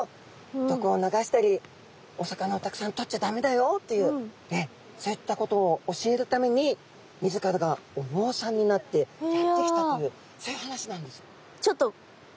毒を流したりお魚をたくさんとっちゃだめだよっていうそういったことを教えるために自らがお坊さんになってやって来たというそういう話なんです。